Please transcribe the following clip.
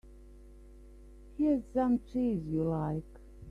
Here's some cheese you like.